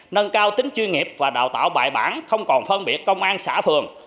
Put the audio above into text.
nâng cao tính chuyên nghiệp và đào tạo bài bản không còn phân biệt công an xã phường